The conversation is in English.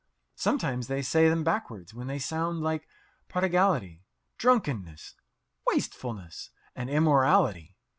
Sometimes they say them backward, when they sound like "prodigality," "drunkenness," "wastefulness," and "immorality."